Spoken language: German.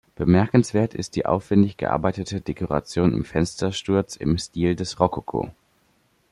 Bemerkenswert ist die aufwändig gearbeitete Dekoration im Fenstersturz im Stil des Rokoko.